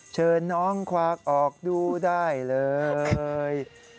เชิญน้องควากออกดูได้เลย